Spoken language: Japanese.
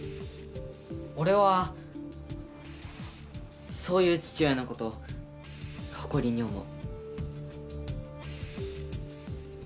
俺はそういう父親のこと、誇りに思う。